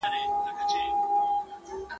يوه ورځ ديد، بله ورځ شناخت.